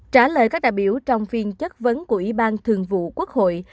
trả lời các đại biểu trong phiên chất vấn của ủy ban thường vụ quốc hội